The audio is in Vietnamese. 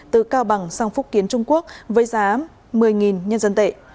từ cao bằng sang phúc kiến trung quốc với giá một mươi nhân dân tệ